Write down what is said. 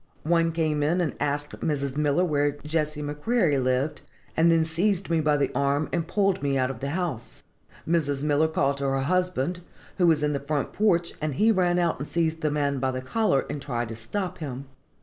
One came in and asked Mrs. Miller where Jesse McCreary lived, and then seized me by the arm, and pulled me out of the house. Mrs. Miller called to her husband, who was in the front porch, and he ran out and seized the man by the collar, and tried to stop him.